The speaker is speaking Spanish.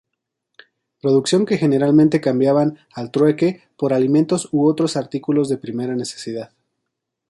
Producción que generalmente cambiaban al trueque por alimentos u otros artículos de primera necesidad.